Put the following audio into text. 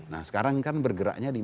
nah sekarang kan bergeraknya di empat belas